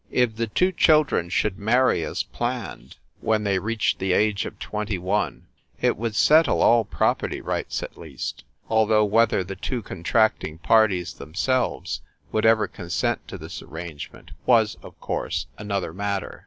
If the two children should marry as 340 FIND THE WOMAN planned, when they reached the age of twenty one, it would settle all property rights, at least ; although whether the two contracting parties themselves would ever consent to this arrangement was, of course, another matter.